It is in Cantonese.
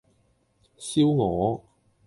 燒鵝